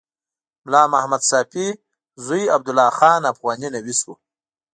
ملا محمد ساپي زوی عبدالله خان افغاني نویس و.